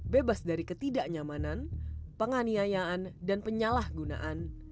bebas dari ketidaknyamanan penganiayaan dan penyalahgunaan